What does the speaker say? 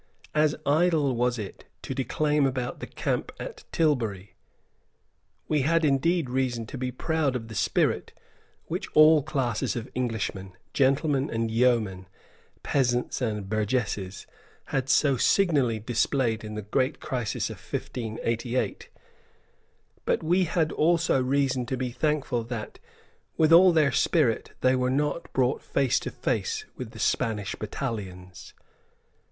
As idle was it to declaim about the camp at Tilbury. We had indeed reason to be proud of the spirit which all classes of Englishmen, gentlemen and yeomen, peasants and burgesses, had so signally displayed in the great crisis of 1588. But we had also reason to be thankful that, with all their spirit, they were not brought face to face with the Spanish battalions.